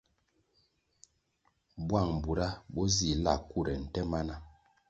Bwang bura bo zih la kure nte mana.